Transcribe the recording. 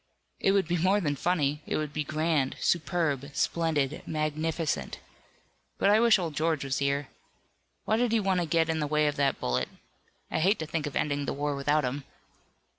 "It would be more than funny. It would be grand, superb, splendid, magnificent. But I wish old George was here. Why did he want to get in the way of that bullet? I hate to think of ending the war without him."